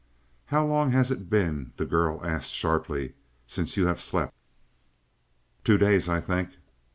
"How long has it been," the girl asked sharply, "since you have slept?" "Two days, I think."